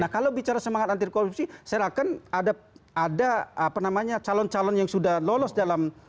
nah kalau bicara semangat antirkorupsi saya akan ada apa namanya calon calon yang sudah lolos dalam